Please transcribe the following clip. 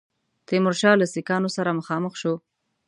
تیمورشاه له سیکهانو سره مخامخ شو.